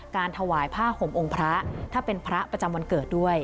ถวายผ้าห่มองค์พระถ้าเป็นพระประจำวันเกิดด้วย